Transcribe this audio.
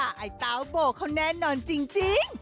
ไอ้เต้าโบเขาแน่นอนจริง